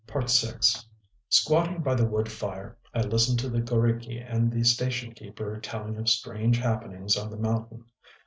VI Squatting by the wood fire, I listen to the g┼Źriki and the station keeper telling of strange happenings on the mountain.